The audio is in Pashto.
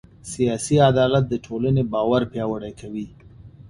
سیاسي عدالت د ټولنې باور پیاوړی کوي